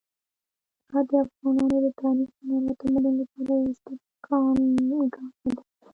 هرات د افغانانو د تاریخ، هنر او تمدن لپاره یوه ستره ګاڼه ده.